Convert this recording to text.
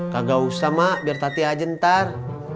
kagak usah mak biar tatih aja ntar